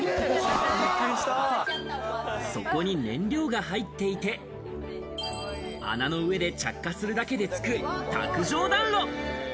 底に燃料が入っていて、穴の上で着火するだけでつく卓上暖炉。